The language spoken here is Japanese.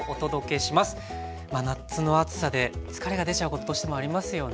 まあ夏の暑さで疲れが出ちゃうことどうしてもありますよね。